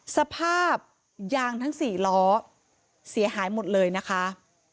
สภาพยางทั้ง๔ล้อเสียหายหมดเลยนะคะ